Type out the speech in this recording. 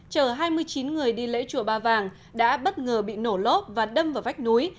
chở hai mươi chín người đi lễ chùa ba vàng đã bất ngờ bị nổ lốp và đâm vào vách núi